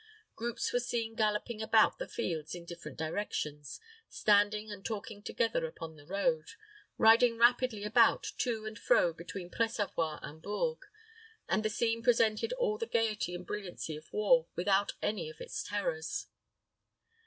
Groups were seen galloping about the fields in different directions, standing and talking together upon the road, riding rapidly about to and fro between Pressavoix and Bourges, and the scene presented all the gayety and brilliancy of war, without any of its terrors.